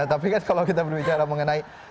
tapi kan kalau kita berbicara mengenai